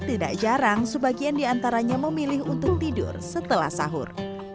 tidak jarang sebagian diantaranya memilih untuk tidur setelah sahur